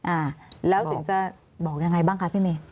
อ่าแล้วถึงจะบอกยังไงบ้างคะพี่เมย์